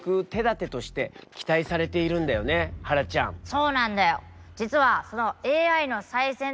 そうなんだよ。